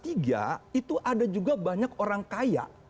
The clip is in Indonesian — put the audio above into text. itu ada juga banyak orang kaya